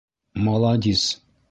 Маладис!